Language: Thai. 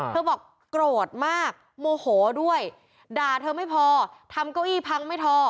บอกโกรธมากโมโหด้วยด่าเธอไม่พอทำเก้าอี้พังไม่ทอ